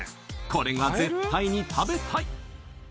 これが絶対に食べたい！